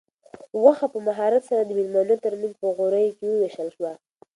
غوښه په مهارت سره د مېلمنو تر منځ په غوریو کې وویشل شوه.